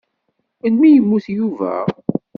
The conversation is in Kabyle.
Melmi i yemmut Yuba?